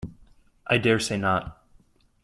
I dare say not.